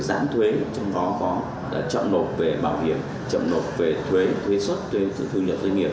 giảm thuế trong gói khó chậm nộp về bảo hiểm chậm nộp về thuế xuất thu nhập doanh nghiệp